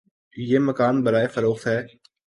یہ مکان برائے فروخت ہے